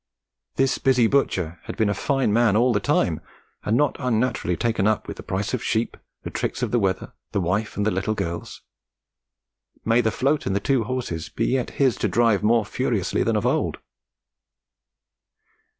This busy butcher had been a fine man all the time, and not unnaturally taken up with the price of sheep, the tricks of the weather, the wife and the little girls. May the float and the two horses yet be his to drive more furiously than of old!